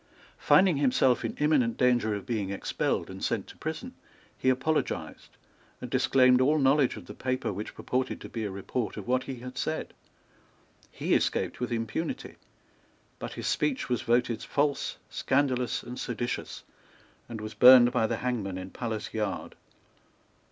Finding himself in imminent danger of being expelled and sent to prison, he apologized, and disclaimed all knowledge of the paper which purported to be a report of what he had said. He escaped with impunity; but his speech was voted false, scandalous and seditious, and was burned by the hangman in Palace Yard.